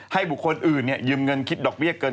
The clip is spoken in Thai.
ให้บุคคลอื่นยืมเงินคิดดอกเบี้ยเกิน